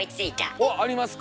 おっありますか？